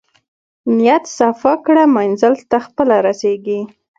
نیت صفاء کړه منزل ته خپله رسېږې.